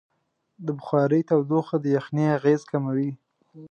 د بخارۍ تودوخه د یخنۍ اغېز کموي.